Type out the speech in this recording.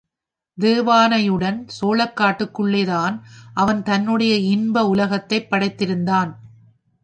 தேவானையுடன் சோளக் காட்டுக்குள்ளேதான் அவன் தன்னுடைய இன்ப உலகத்தைப் படைத்திருந்தான்.